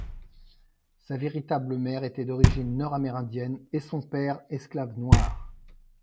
Sa véritable mère était d'origine nord-amérindienne et son père esclave noir.